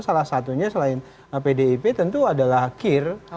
salah satunya selain pdip tentu adalah kir